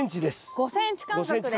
５ｃｍ間隔で。